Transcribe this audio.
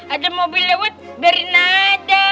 ada mobil lewat bernada